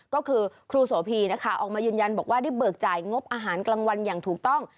ก็คือครูโสพีนะคะออกมายืนยันบอกว่าได้เบิกจ่ายงบอาหารกลางวันอย่างถูกต้อง